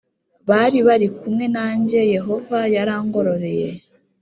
bari bari kumwe nanjye Yehova yarangororeye